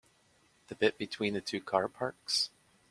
The bit between the two car parks?